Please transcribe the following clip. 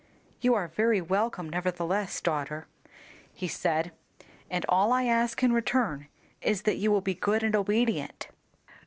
"You are very welcome nevertheless, daughter," he said, "and all I ask in return is that you will be good and obedient."